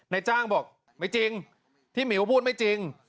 นายจ้างบอกไม่จริงที่หมิวพูดไม่จริง